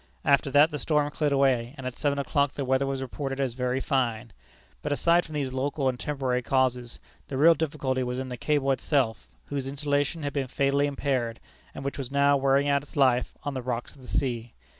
After that the storm cleared away, and at seven o'clock the weather was reported as very fine. But aside from these local and temporary causes, the real difficulty was in the cable itself, whose insulation had been fatally impaired, and which was now wearing out its life on the rocks of the sea.